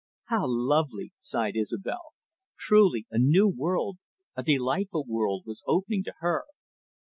"How lovely!" sighed Isobel. Truly, a new world, a delightful world, was opening to her.